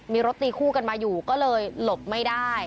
มีรถตีคู่กันมาอยู่ก็เลยหลบไม่ได้